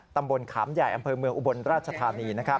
ตำบลขามใหญ่อำเภอเมืองอุบลราชธานี